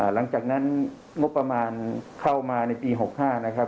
หลังจากนั้นงบประมาณเข้ามาในปี๖๕นะครับ